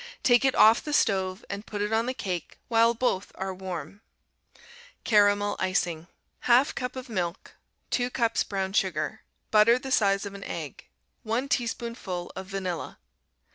Take it off the stove and put it on the cake while both are warm. Caramel Icing 1/2 cup of milk. 2 cups brown sugar. Butter the size of an egg. 1 teaspoonful of vanilla.